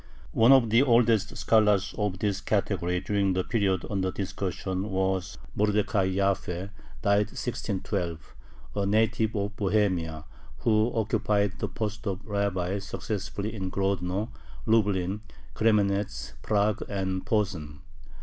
One of the oldest scholars of this category during the period under discussion was Mordecai Jaffe (died 1612), a native of Bohemia, who occupied the post of rabbi successively in Grodno, Lublin, Kremenetz, Prague, and Posen.